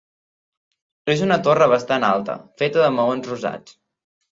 És una torre bastant alta, feta de maons rosats.